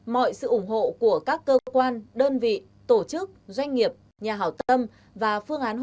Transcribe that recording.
mọi sự ủng hộ của các cơ quan đơn vị tổ chức doanh nghiệp nhà hảo tâm và phương án hỗ trợ